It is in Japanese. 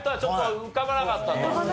浮かばなかったです。